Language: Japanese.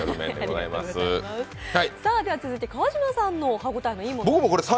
続いて川島さんの歯応えのいいものを。